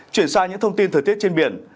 chuyển sang những thông tin thời tiết trên biển